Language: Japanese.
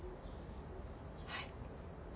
はい。